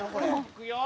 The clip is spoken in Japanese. いくよ！